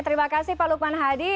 terima kasih pak lukman hadi